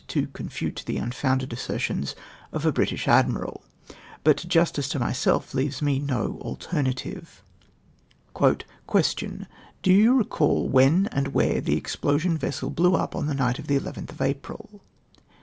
77 to confute the uiifoiiiided assertions of a British admiral, but justice to myself leaves me no alternative. Question. —" Do you recollect when and where the expl(j sion vessel hlew up on the night of the 11th of April